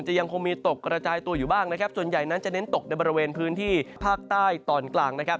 ยังคงมีตกกระจายตัวอยู่บ้างนะครับส่วนใหญ่นั้นจะเน้นตกในบริเวณพื้นที่ภาคใต้ตอนกลางนะครับ